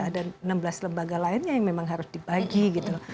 ada enam belas lembaga lainnya yang memang harus dibagi gitu